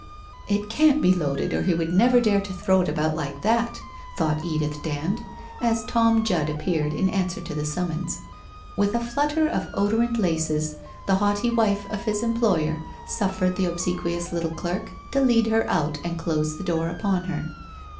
' It can't be loaded or he would never dare to throw it about like that! ' thought Edith Dand, as Tom Judd ap peared in answer to the summons. With a flutter of <idorant laces the haughty wife of his employer suffered the obsequious little clerk to lead her out and close the door upon her.